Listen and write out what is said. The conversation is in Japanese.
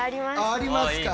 ありますか。